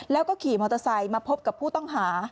แล้วก็ขี่มอเตอร์ไซค์มาพบกับผู้ต้องหา